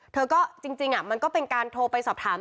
เธอก็จริงมันก็เป็นการโทรไปสอบถาม